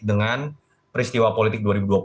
dengan peristiwa politik dua ribu dua puluh empat